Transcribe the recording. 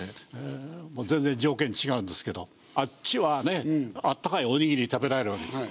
全然条件違うんですけどあっちはねあったかいおにぎり食べられるわけですよ。